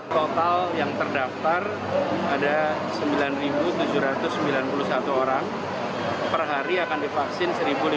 total yang terdaftar ada sembilan tujuh ratus sembilan puluh satu orang per hari akan divaksin satu lima ratus